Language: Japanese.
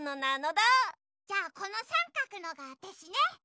じゃあこのさんかくのがわたしね。